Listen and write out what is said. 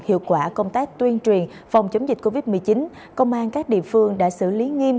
hiệu quả công tác tuyên truyền phòng chống dịch covid một mươi chín công an các địa phương đã xử lý nghiêm